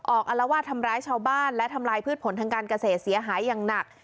อารวาสทำร้ายชาวบ้านและทำลายพืชผลทางการเกษตรเสียหายอย่างหนัก